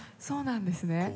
そうなんですね。